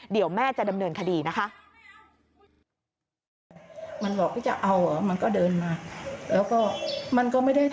เดี๋ยวแม่จะดำเนินคดีนะคะ